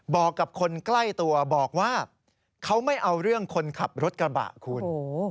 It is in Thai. บอกกับคนใกล้ตัวบอกว่าเขาไม่เอาเรื่องคนขับรถกระบะคุณ